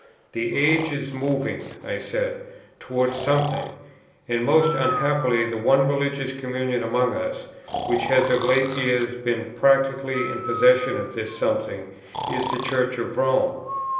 "The age is moving," I said, "towards something; and most unhappily the one religious communion among us, which has of late years been practically in possession of this something, is the Church of Rome.